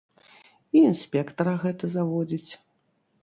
І інспектара гэта заводзіць.